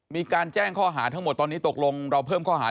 มีการแจ้งข้อหาทั้งหมดตอนนี้ตกลงเราเพิ่มข้อหา